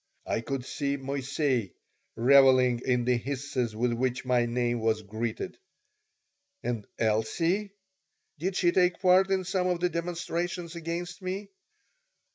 I could see Moissey reveling in the hisses with which my name was greeted. And Elsie? Did she take part in some of the demonstrations against me?